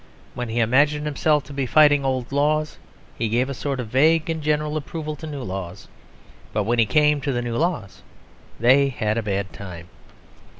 When he imagined himself to be fighting old laws he gave a sort of vague and general approval to new laws. But when he came to the new laws they had a bad time.